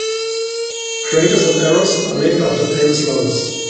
Craters on Eros are named after famous lovers.